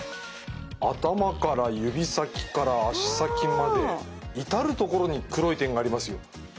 頭から指先から足先まで至る所に黒い点がありますよ。